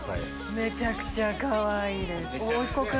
めちゃくちゃかわいいですおいっ子君。